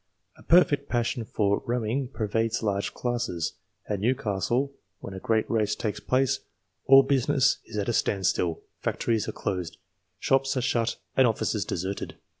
A perfect passion for rowing pervades large classes. At Newcastle, when a great race takes place, all business is at a standstill, factories are closed, shops are shut, and offices deserted.